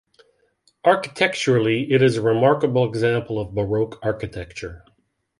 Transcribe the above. Architecturally, it is a remarkable example of baroque architecture.